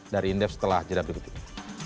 dari indef setelah jeda pertama